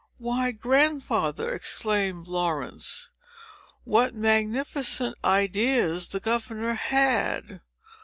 "Why, Grandfather," exclaimed Laurence, "what magnificent ideas the governor had!